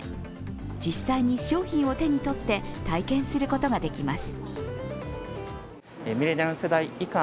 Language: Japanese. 実際に商品を手にとって体験することができます。